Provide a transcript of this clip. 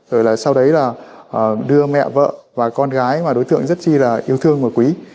rồi là sau đấy là đưa mẹ vợ và con gái mà đối tượng rất chi là yêu thương và quý